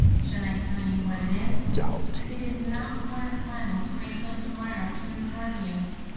Shall I tell you what it is? It is not worth while to wait till to morrow to inform you.